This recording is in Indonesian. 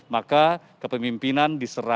maka kepemimpinan diserahkan